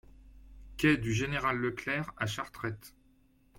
Quai du Gen Leclerc à Chartrettes